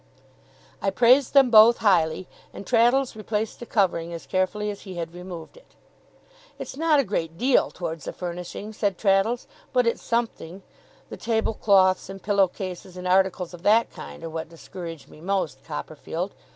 I praised them both, highly, and Traddles replaced the covering as carefully as he had removed it. 'It's not a great deal towards the furnishing,' said Traddles, 'but it's something. The table cloths, and pillow cases, and articles of that kind, are what discourage me most, Copperfield.